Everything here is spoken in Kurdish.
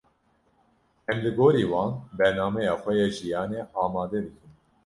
Em li gorî wan, bernameya xwe ya jiyanê amade dikin.